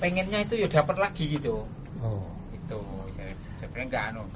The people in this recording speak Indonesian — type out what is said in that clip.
pengennya itu ya dapat lagi gitu